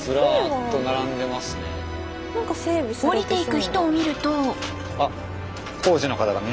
降りていく人を見ると。